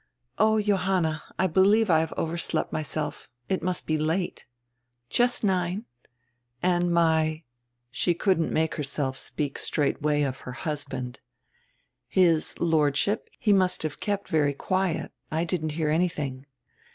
"Oh, Johanna, I believe I have overslept myself. It must be late." "Just nine." "And my —" She couldn't make herself speak straight way of her "husband." "His Lordship, he must have kept very quiet. I didn't hear anything."